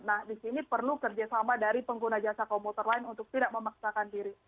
nah di sini perlu kerjasama dari pengguna jasa komuter lain untuk tidak memaksakan diri